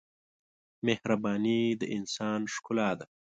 مهرباني د انسان ښکلا ده.